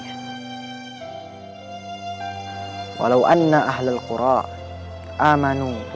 jaya sangara berniat menguji kita akanasted